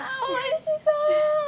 うわおいしそう。